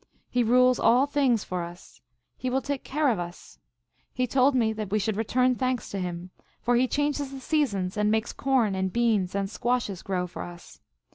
He rules all things for us. He will take care of us. He told me that we should return thanks to him, for he changes the seasons, and makes corn and beans and squashes grow for us.